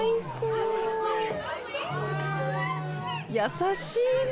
優しいね。